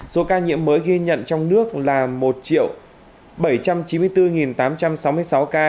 số ca nhiễm mới ghi nhận trong nước là một bảy trăm chín mươi bốn tám trăm sáu mươi sáu ca